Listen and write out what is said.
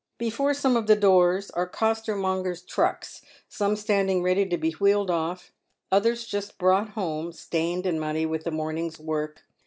Before some of the doors are costermongers' trucks — some standing ready to be wheeled oif, others just brought home, stained and muddy with the morning's work.